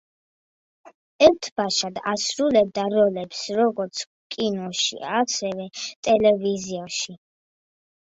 ერთბაშად ასრულებდა როლებს როგორც კინოში ასევე ტელევიზიაში.